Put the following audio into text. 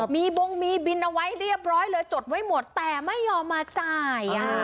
มีบงมีบินเอาไว้เรียบร้อยเลยจดไว้หมดแต่ไม่ยอมมาจ่าย